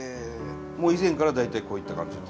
もう以前から大体こういった感じの？